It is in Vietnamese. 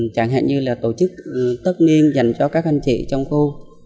chẳng hạn như là tổ chức tất niên dành cho các anh chị trong khu